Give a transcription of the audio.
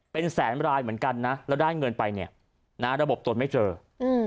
เป็นแสนรายเหมือนกันนะแล้วได้เงินไปเนี่ยนะระบบตนไม่เจออืม